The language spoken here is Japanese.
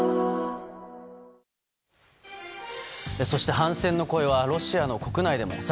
そして反戦の声はロシアの国内でも。